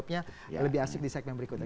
tapi jawabnya lebih asik di segmen berikutnya